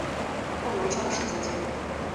后由张世则接任。